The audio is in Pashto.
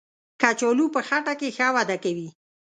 کچالو په خټه کې ښه وده کوي